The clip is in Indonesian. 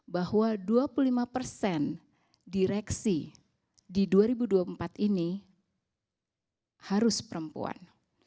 bahwa dua puluh lima persen direksi di dua ribu dua puluh empat ini harus perempuan